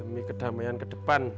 demi kedamaian ke depan